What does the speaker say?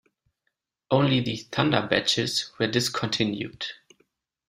Only the "Thunder" badges were discontinued.